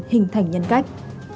hình thành nhân cách